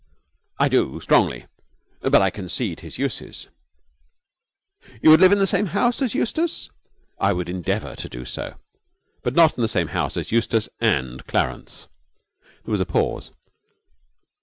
'I do strongly, but I concede his uses.' 'You would live in the same house as Eustace?' 'I would endeavour to do so. But not in the same house as Eustace and Clarence.' There was a pause.